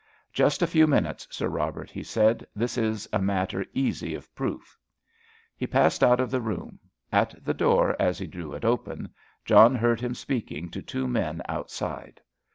"Just a few minutes, Sir Robert," he said. "This is a matter easy of proof." He passed out of the room. At the door, as he drew it open, John heard him speaking to two men outside.